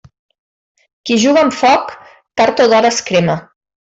Qui juga amb foc, tard o d'hora es crema.